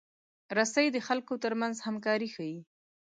رسۍ د خلکو ترمنځ همکاري ښيي.